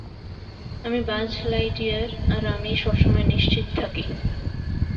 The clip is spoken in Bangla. আমি বায লাইটইয়ার, আর আমি সবসময় নিশ্চিত থাকি!